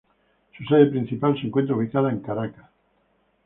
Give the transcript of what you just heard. Su sede principal se encuentra ubicada en Caracas.